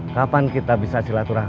kapan kita bisa silaturahmi